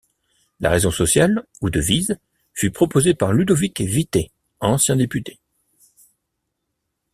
La raison sociale ou devise fut proposée par Ludovic Vitet, ancien député.